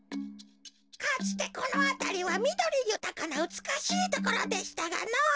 かつてこのあたりはみどりゆたかなうつくしいところでしたがのぉ。